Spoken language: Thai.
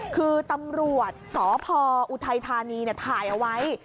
คือตำรวจสพอุทัยธานีถ่ายเอาไว้